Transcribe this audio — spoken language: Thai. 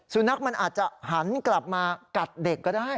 สุนัขมันอาจจะหันกลับมากัดเด็กก็ได้